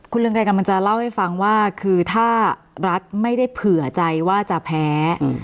เรืองไกรกำลังจะเล่าให้ฟังว่าคือถ้ารัฐไม่ได้เผื่อใจว่าจะแพ้